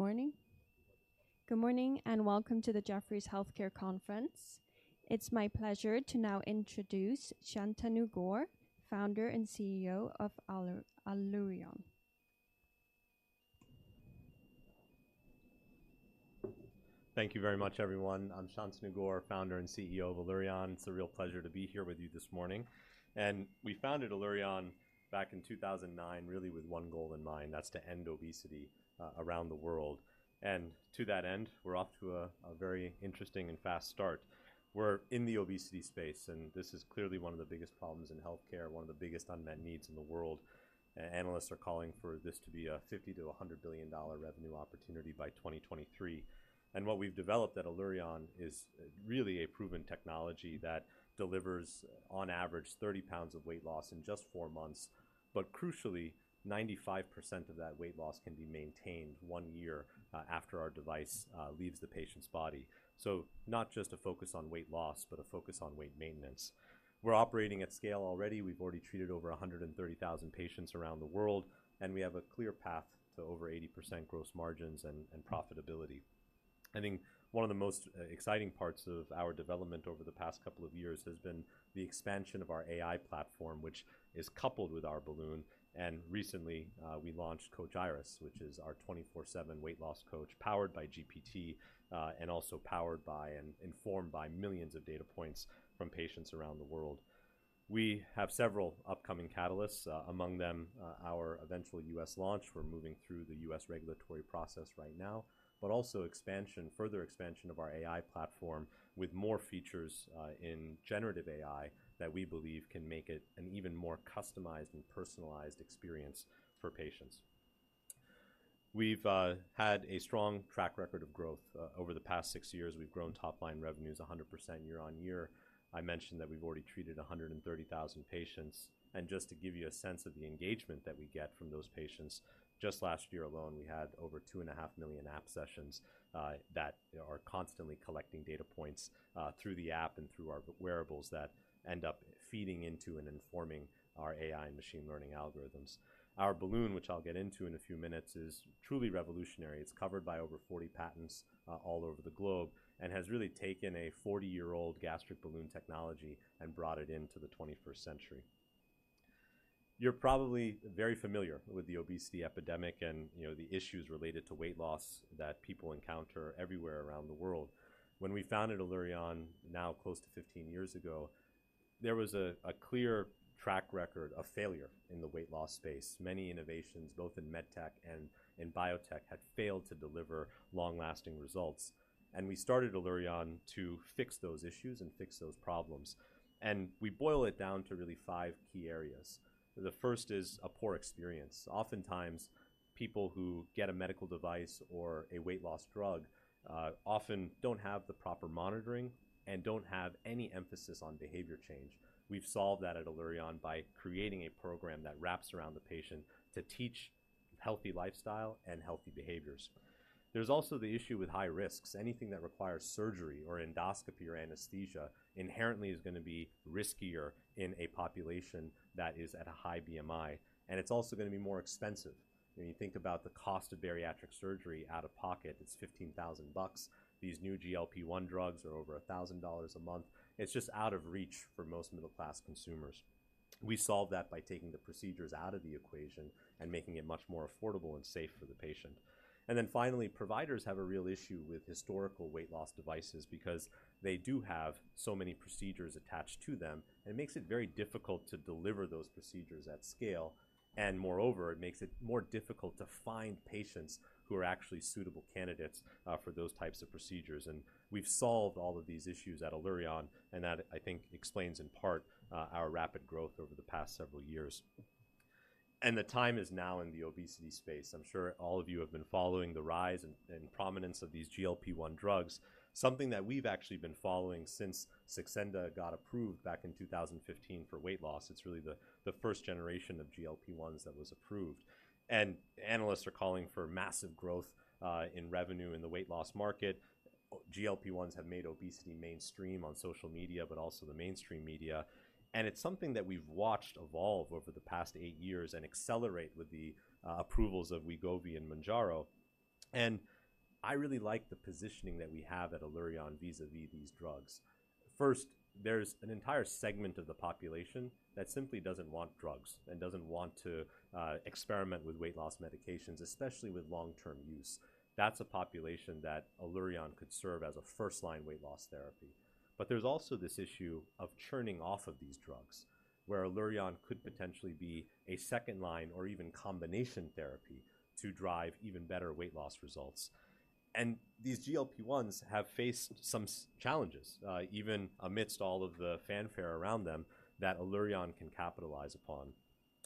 Good morning, and welcome to the Jefferies Healthcare Conference. It's my pleasure to now introduce Shantanu Gaur, Founder and CEO of Allurion. Thank you very much, everyone. I'm Shantanu Gaur, founder and CEO of Allurion. It's a real pleasure to be here with you this morning, and we founded Allurion back in 2009, really with one goal in mind, that's to end obesity around the world. And to that end, we're off to a very interesting and fast start. We're in the obesity space, and this is clearly one of the biggest problems in healthcare, one of the biggest unmet needs in the world. Analysts are calling for this to be a $50 billion-$100 billion revenue opportunity by 2023. And what we've developed at Allurion is really a proven technology that delivers, on average, 30 lbs of weight loss in just four months. But crucially, 95% of that weight loss can be maintained one year after our device leaves the patient's body. So not just a focus on weight loss, but a focus on weight maintenance. We're operating at scale already. We've already treated over 130,000 patients around the world, and we have a clear path to over 80% gross margins and profitability. I think one of the most exciting parts of our development over the past couple of years has been the expansion of our AI platform, which is coupled with our balloon, and recently we launched Coach Iris, which is our 24/7 weight loss coach, powered by GPT, and also powered by and informed by millions of data points from patients around the world. We have several upcoming catalysts, among them our eventual U.S. launch. We're moving through the U.S. regulatory process right now, but also expansion, further expansion of our AI platform, with more features, in generative AI, that we believe can make it an even more customized and personalized experience for patients. We've had a strong track record of growth. Over the past six years, we've grown top-line revenues 100% year-over-year. I mentioned that we've already treated 130,000 patients, and just to give you a sense of the engagement that we get from those patients, just last year alone, we had over 2.5 million app sessions, that are constantly collecting data points, through the app and through our wearables that end up feeding into and informing our AI and machine learning algorithms. Our balloon, which I'll get into in a few minutes, is truly revolutionary. It's covered by over 40 patents all over the globe and has really taken a 40-year-old gastric balloon technology and brought it into the 21st century. You're probably very familiar with the obesity epidemic and, you know, the issues related to weight loss that people encounter everywhere around the world. When we founded Allurion, now close to 15 years ago, there was a clear track record of failure in the weight loss space. Many innovations, both in med tech and in biotech, had failed to deliver long-lasting results, and we started Allurion to fix those issues and fix those problems. And we boil it down to really five key areas. The first is a poor experience. Oftentimes, people who get a medical device or a weight loss drug often don't have the proper monitoring and don't have any emphasis on behavior change. We've solved that at Allurion by creating a program that wraps around the patient to teach healthy lifestyle and healthy behaviors. There's also the issue with high risks. Anything that requires surgery or endoscopy or anesthesia inherently is gonna be riskier in a population that is at a high BMI, and it's also gonna be more expensive. When you think about the cost of bariatric surgery out of pocket, it's $15,000. These new GLP-1 drugs are over $1,000 a month. It's just out of reach for most middle-class consumers. We solved that by taking the procedures out of the equation and making it much more affordable and safe for the patient. And then finally, providers have a real issue with historical weight loss devices because they do have so many procedures attached to them, and it makes it very difficult to deliver those procedures at scale. Moreover, it makes it more difficult to find patients who are actually suitable candidates for those types of procedures. We've solved all of these issues at Allurion, and that, I think, explains, in part, our rapid growth over the past several years. The time is now in the obesity space. I'm sure all of you have been following the rise and prominence of these GLP-1 drugs, something that we've actually been following since Saxenda got approved back in 2015 for weight loss. It's really the first generation of GLP-1s that was approved. Analysts are calling for massive growth in revenue in the weight loss market. GLP-1s have made obesity mainstream on social media, but also the mainstream media, and it's something that we've watched evolve over the past eight years and accelerate with the approvals of Wegovy and Mounjaro, and I really like the positioning that we have at Allurion vis-a-vis these drugs. First, there's an entire segment of the population that simply doesn't want drugs and doesn't want to experiment with weight loss medications, especially with long-term use. That's a population that Allurion could serve as a first-line weight loss therapy. But there's also this issue of churning off of these drugs, where Allurion could potentially be a second-line or even combination therapy to drive even better weight loss results. And these GLP-1s have faced some challenges, even amidst all of the fanfare around them, that Allurion can capitalize upon.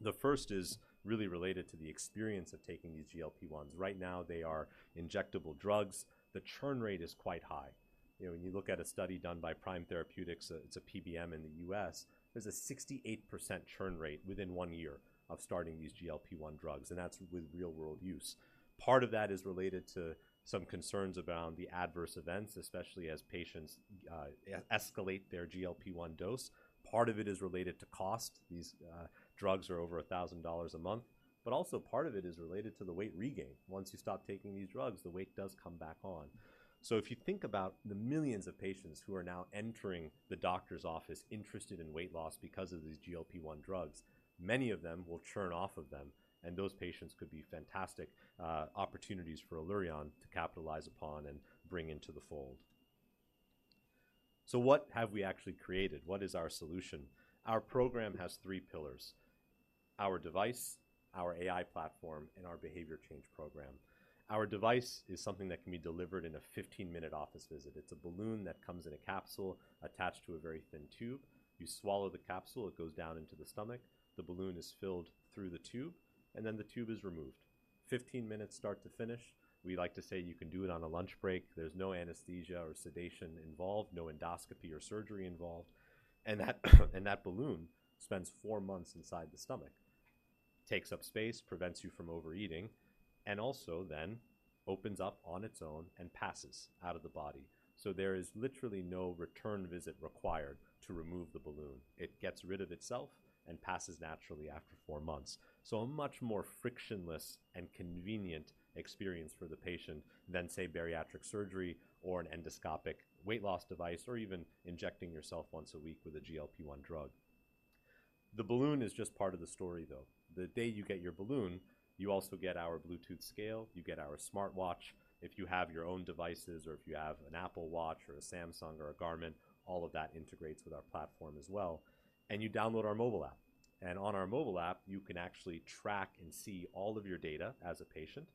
The first is really related to the experience of taking these GLP-1s. Right now, they are injectable drugs. The churn rate is quite high. You know, when you look at a study done by Prime Therapeutics, it's a PBM in the U.S., there's a 68% churn rate within one year of starting these GLP-1 drugs, and that's with real-world use. Part of that is related to some concerns around the adverse events, especially as patients escalate their GLP-1 dose. Part of it is related to cost. These drugs are over $1,000 a month, but also part of it is related to the weight regain. Once you stop taking these drugs, the weight does come back on. So if you think about the millions of patients who are now entering the doctor's office interested in weight loss because of these GLP-1 drugs, many of them will churn off of them, and those patients could be fantastic opportunities for Allurion to capitalize upon and bring into the fold. So what have we actually created? What is our solution? Our program has three pillars: our device, our AI platform, and our behavior change program. Our device is something that can be delivered in a 15-minute office visit. It's a balloon that comes in a capsule attached to a very thin tube. You swallow the capsule, it goes down into the stomach, the balloon is filled through the tube, and then the tube is removed. 15 minutes start to finish. We like to say you can do it on a lunch break. There's no anesthesia or sedation involved, no endoscopy or surgery involved, and that, and that balloon spends four months inside the stomach. Takes up space, prevents you from overeating, and also then opens up on its own and passes out of the body. So there is literally no return visit required to remove the balloon. It gets rid of itself and passes naturally after four months. So a much more frictionless and convenient experience for the patient than, say, bariatric surgery or an endoscopic weight loss device, or even injecting yourself once a week with a GLP-1 drug. The balloon is just part of the story, though. The day you get your balloon, you also get our Bluetooth scale, you get our smartwatch. If you have your own devices or if you have an Apple Watch or a Samsung or a Garmin, all of that integrates with our platform as well, and you download our mobile app. And on our mobile app, you can actually track and see all of your data as a patient,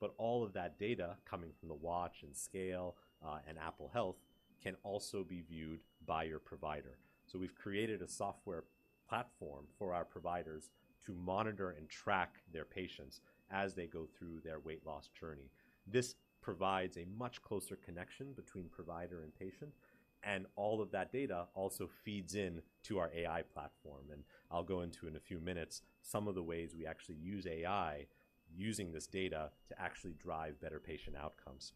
but all of that data coming from the watch and scale, and Apple Health can also be viewed by your provider. So we've created a software platform for our providers to monitor and track their patients as they go through their weight loss journey. This provides a much closer connection between provider and patient, and all of that data also feeds in to our AI platform, and I'll go into in a few minutes some of the ways we actually use AI, using this data to actually drive better patient outcomes.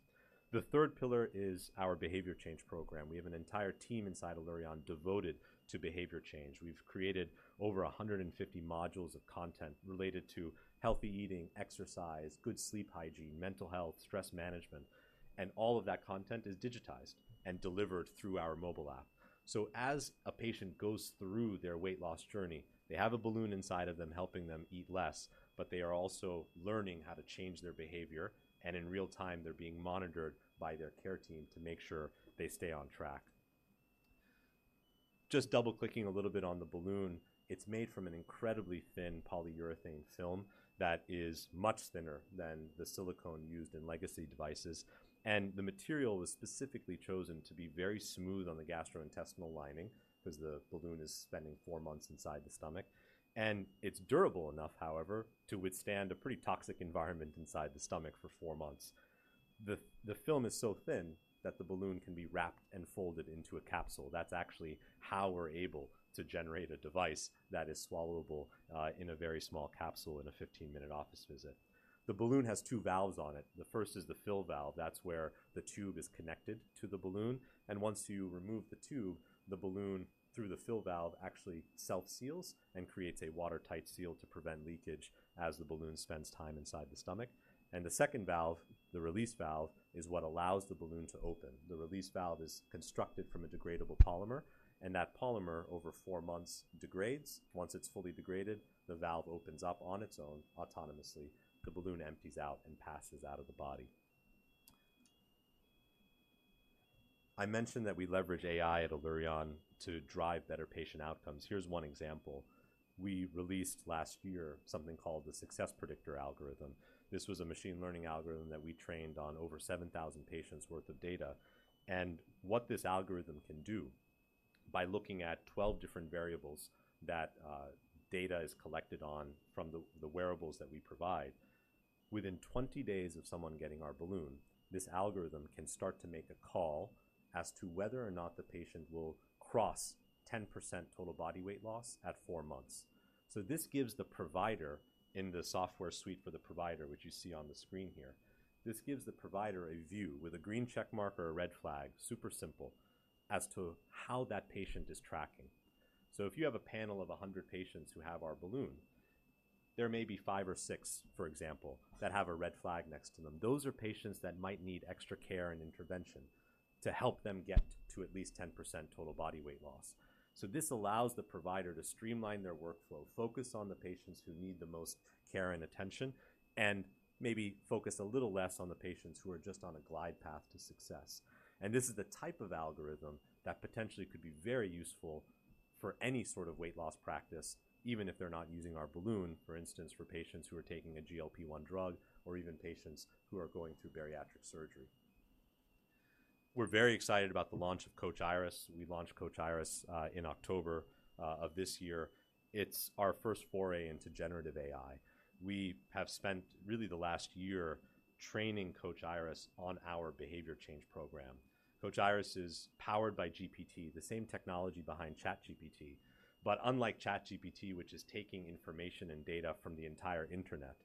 The third pillar is our behavior change program. We have an entire team inside Allurion devoted to behavior change. We've created over 150 modules of content related to healthy eating, exercise, good sleep hygiene, mental health, stress management, and all of that content is digitized and delivered through our mobile app. So as a patient goes through their weight loss journey, they have a balloon inside of them helping them eat less, but they are also learning how to change their behavior, and in real time, they're being monitored by their care team to make sure they stay on track. Just double-clicking a little bit on the balloon, it's made from an incredibly thin polyurethane film that is much thinner than the silicone used in legacy devices, and the material was specifically chosen to be very smooth on the gastrointestinal lining because the balloon is spending four months inside the stomach, and it's durable enough, however, to withstand a pretty toxic environment inside the stomach for four months. The film is so thin that the balloon can be wrapped and folded into a capsule. That's actually how we're able to generate a device that is swallowable in a very small capsule in a 15-minute office visit. The balloon has two valves on it. The first is the fill valve. That's where the tube is connected to the balloon, and once you remove the tube, the balloon, through the fill valve, actually self-seals and creates a watertight seal to prevent leakage as the balloon spends time inside the stomach. The second valve, the release valve, is what allows the balloon to open. The release valve is constructed from a degradable polymer, and that polymer, over four months, degrades. Once it's fully degraded, the valve opens up on its own autonomously, the balloon empties out and passes out of the body. I mentioned that we leverage AI at Allurion to drive better patient outcomes. Here's one example. We released last year something called the Success Predictor Algorithm. This was a machine learning algorithm that we trained on over 7,000 patients' worth of data. What this algorithm can do, by looking at 12 different variables that data is collected on from the wearables that we provide, within 20 days of someone getting our balloon, this algorithm can start to make a call as to whether or not the patient will cross 10% total body weight loss at four months. So this gives the provider, in the software suite for the provider, which you see on the screen here, this gives the provider a view with a green check mark or a red flag, super simple, as to how that patient is tracking. So if you have a panel of 100 patients who have our balloon, there may be five or six, for example, that have a red flag next to them. Those are patients that might need extra care and intervention to help them get to at least 10% total body weight loss. So this allows the provider to streamline their workflow, focus on the patients who need the most care and attention, and maybe focus a little less on the patients who are just on a glide path to success. And this is the type of algorithm that potentially could be very useful for any sort of weight loss practice, even if they're not using our balloon. For instance, for patients who are taking a GLP-1 drug, or even patients who are going through bariatric surgery. We're very excited about the launch of Coach Iris. We launched Coach Iris in October of this year. It's our first foray into generative AI. We have spent really the last year training Coach Iris on our behavior change program. Coach Iris is powered by GPT, the same technology behind ChatGPT, but unlike ChatGPT, which is taking information and data from the entire internet,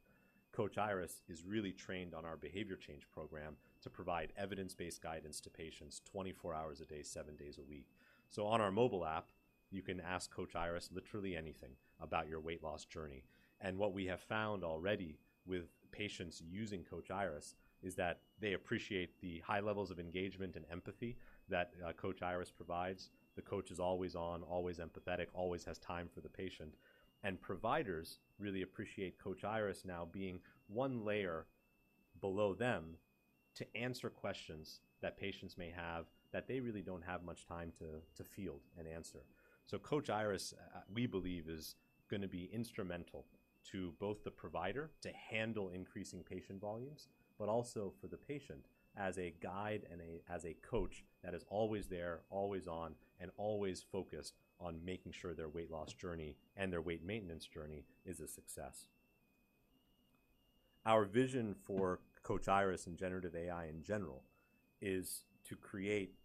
Coach Iris is really trained on our behavior change program to provide evidence-based guidance to patients 24 hours a day, 7 days a week. So on our mobile app, you can ask Coach Iris literally anything about your weight loss journey. And what we have found already with patients using Coach Iris is that they appreciate the high levels of engagement and empathy that Coach Iris provides. The coach is always on, always empathetic, always has time for the patient. And providers really appreciate Coach Iris now being one layer below them to answer questions that patients may have, that they really don't have much time to, to field and answer. So Coach Iris, we believe, is gonna be instrumental to both the provider to handle increasing patient volumes, but also for the patient as a guide and as a coach that is always there, always on, and always focused on making sure their weight loss journey and their weight maintenance journey is a success. Our vision for Coach Iris and generative AI in general is to create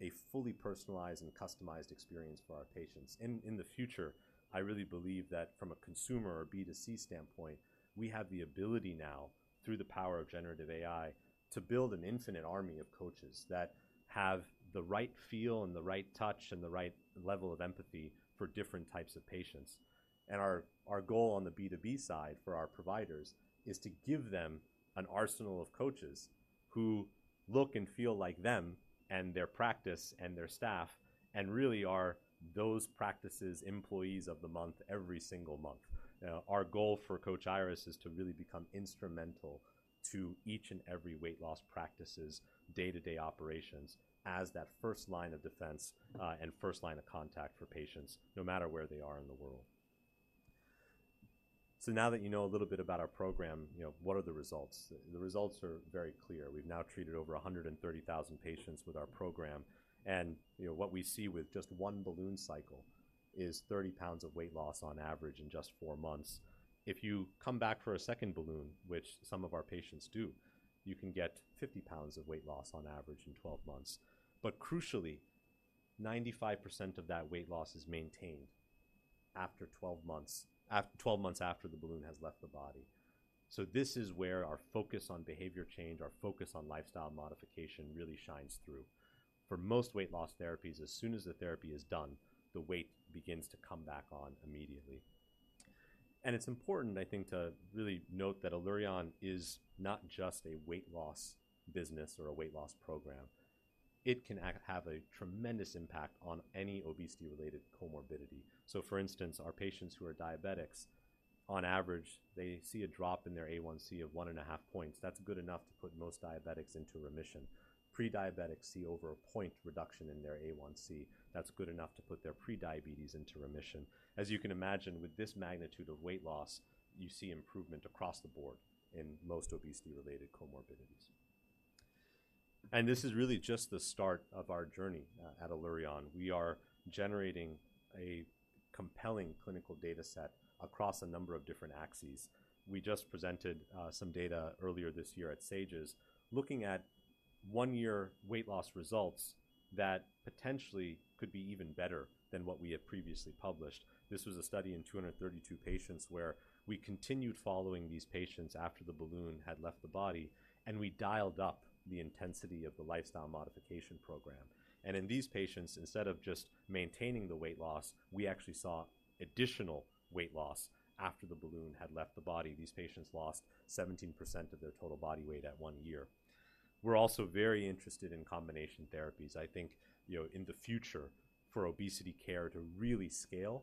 a fully personalized and customized experience for our patients. In the future, I really believe that from a consumer or B2C standpoint, we have the ability now, through the power of generative AI, to build an infinite army of coaches that have the right feel and the right touch and the right level of empathy for different types of patients. Our goal on the B2B side for our providers is to give them an arsenal of coaches who look and feel like them and their practice and their staff, and really are those practices' employees of the month every single month. Now, our goal for Coach Iris is to really become instrumental to each and every weight loss practice's day-to-day operations as that first line of defense, and first line of contact for patients, no matter where they are in the world. So now that you know a little bit about our program, you know, what are the results? The results are very clear. We've now treated over 130,000 patients with our program, and, you know, what we see with just one balloon cycle is 30 lbs of weight loss on average in just four months. If you come back for a second balloon, which some of our patients do, you can get 50 lbs of weight loss on average in 12 months. But crucially, 95% of that weight loss is maintained after 12 months, 12 months after the balloon has left the body. This is where our focus on behavior change, our focus on lifestyle modification really shines through. For most weight loss therapies, as soon as the therapy is done, the weight begins to come back on immediately. It's important, I think, to really note that Allurion is not just a weight loss business or a weight loss program. It can have a tremendous impact on any obesity-related comorbidity. For instance, our patients who are diabetics, on average, they see a drop in their A1C of one and a half points. That's good enough to put most diabetics into remission. Pre-diabetics see over a point reduction in their A1C. That's good enough to put their prediabetes into remission. As you can imagine, with this magnitude of weight loss, you see improvement across the board in most obesity-related comorbidities. And this is really just the start of our journey at Allurion. We are generating a compelling clinical data set across a number of different axes. We just presented some data earlier this year at SAGES, looking at one-year weight loss results that potentially could be even better than what we had previously published. This was a study in 232 patients, where we continued following these patients after the balloon had left the body, and we dialed up the intensity of the lifestyle modification program. In these patients, instead of just maintaining the weight loss, we actually saw additional weight loss after the balloon had left the body. These patients lost 17% of their total body weight at one year. We're also very interested in combination therapies. I think, you know, in the future, for obesity care to really scale,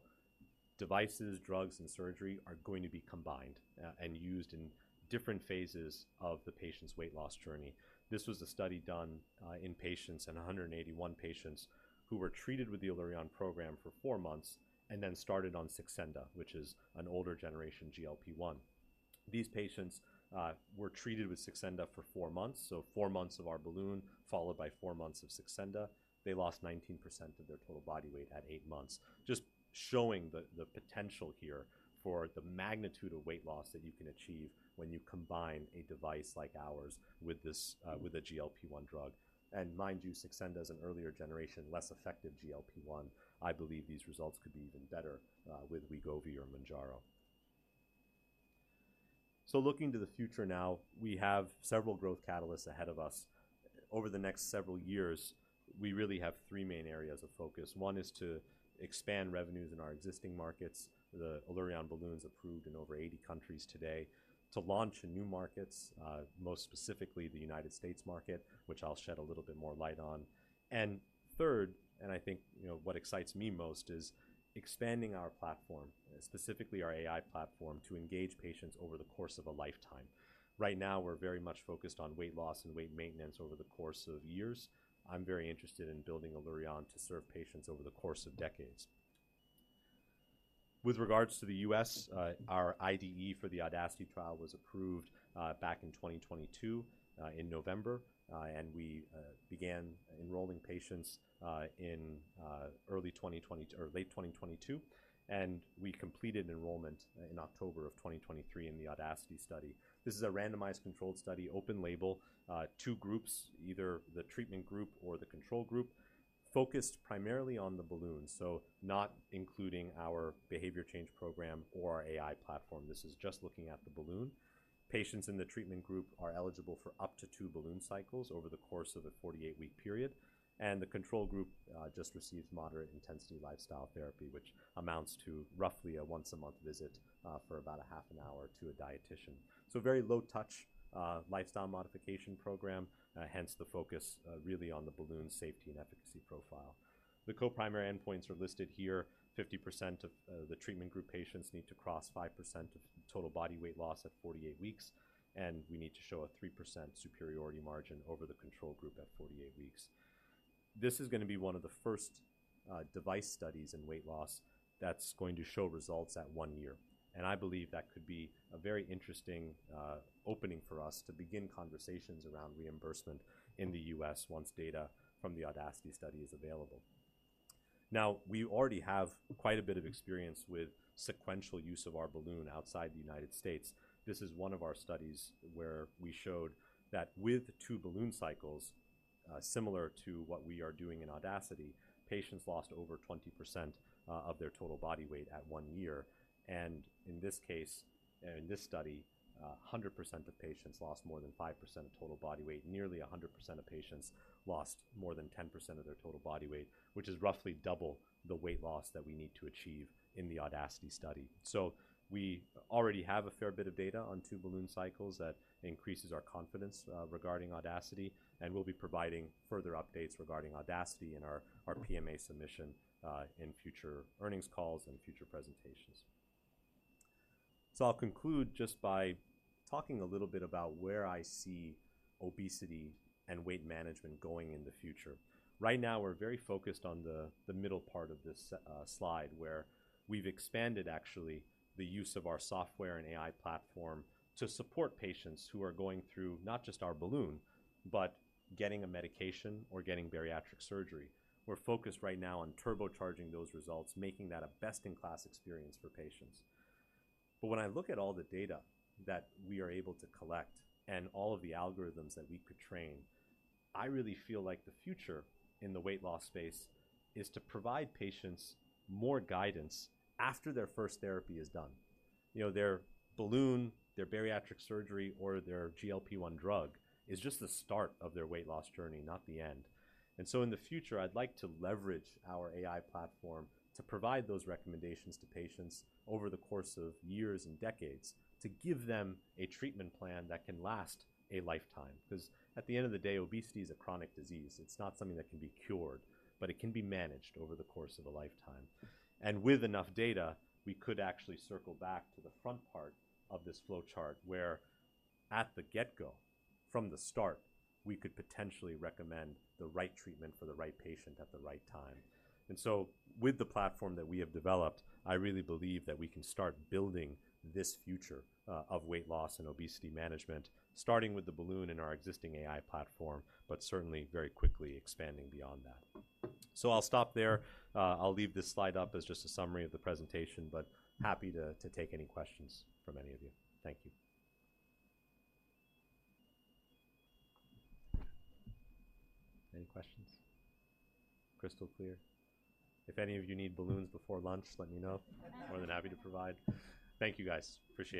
devices, drugs, and surgery are going to be combined, and used in different phases of the patient's weight loss journey. This was a study done in patients, in 181 patients, who were treated with the Allurion Program for four months and then started on Saxenda, which is an older generation GLP-1. These patients were treated with Saxenda for four months, so four months of our balloon, followed by four months of Saxenda. They lost 19% of their total body weight at eight months. Just showing the potential here for the magnitude of weight loss that you can achieve when you combine a device like ours with this, with a GLP-1 drug. And mind you, Saxenda is an earlier generation, less effective GLP-1. I believe these results could be even better, with Wegovy or Mounjaro. So looking to the future now, we have several growth catalysts ahead of us. Over the next several years, we really have three main areas of focus. One is to expand revenues in our existing markets. The Allurion Balloon's approved in over 80 countries today. To launch in new markets, most specifically the United States market, which I'll shed a little bit more light on. And third, and I think, you know, what excites me most is expanding our platform, specifically our AI platform, to engage patients over the course of a lifetime. Right now, we're very much focused on weight loss and weight maintenance over the course of years. I'm very interested in building Allurion to serve patients over the course of decades. With regards to the U.S., our IDE for the AUDACITY trial was approved back in 2022, in November. And we began enrolling patients in early 2022 or late 2022, and we completed enrollment in October of 2023 in the AUDACITY trial. This is a randomized controlled study, open label, two groups, either the treatment group or the control group, focused primarily on the balloon, so not including our behavior change program or our AI platform. This is just looking at the balloon. Patients in the treatment group are eligible for up to 2 balloon cycles over the course of a 48-week period, and the control group just receives moderate intensity lifestyle therapy, which amounts to roughly a once-a-month visit for about a half an hour to a dietitian. So a very low-touch lifestyle modification program, hence the focus really on the balloon safety and efficacy profile. The co-primary endpoints are listed here. 50% of the treatment group patients need to cross 5% of total body weight loss at 48 weeks, and we need to show a 3% superiority margin over the control group at 48 weeks. This is going to be one of the first device studies in weight loss that's going to show results at one year, and I believe that could be a very interesting opening for us to begin conversations around reimbursement in the U.S. once data from the AUDACITY trial is available. Now, we already have quite a bit of experience with sequential use of our balloon outside the United States. This is one of our studies where we showed that with two balloon cycles, similar to what we are doing in AUDACITY, patients lost over 20% of their total body weight at one year. And in this case, in this study, 100% of patients lost more than 5% of total body weight. Nearly 100% of patients lost more than 10% of their total body weight, which is roughly double the weight loss that we need to achieve in the AUDACITY trial. So we already have a fair bit of data on two balloon cycles that increases our confidence regarding AUDACITY, and we'll be providing further updates regarding AUDACITY in our PMA submission in future earnings calls and future presentations. So I'll conclude just by talking a little bit about where I see obesity and weight management going in the future. Right now, we're very focused on the middle part of this slide, where we've expanded, actually, the use of our software and AI platform to support patients who are going through not just our balloon, but getting a medication or getting bariatric surgery. We're focused right now on turbocharging those results, making that a best-in-class experience for patients. But when I look at all the data that we are able to collect and all of the algorithms that we could train, I really feel like the future in the weight loss space is to provide patients more guidance after their first therapy is done. You know, their balloon, their bariatric surgery, or their GLP-1 drug is just the start of their weight loss journey, not the end. And so in the future, I'd like to leverage our AI platform to provide those recommendations to patients over the course of years and decades, to give them a treatment plan that can last a lifetime. Because at the end of the day, obesity is a chronic disease. It's not something that can be cured, but it can be managed over the course of a lifetime. With enough data, we could actually circle back to the front part of this flowchart, where at the get-go, from the start, we could potentially recommend the right treatment for the right patient at the right time. And so with the platform that we have developed, I really believe that we can start building this future of weight loss and obesity management, starting with the balloon and our existing AI platform, but certainly very quickly expanding beyond that. So I'll stop there. I'll leave this slide up as just a summary of the presentation, but happy to take any questions from any of you. Thank you. Any questions? Crystal clear. If any of you need balloons before lunch, let me know. More than happy to provide. Thank you, guys. Appreciate it.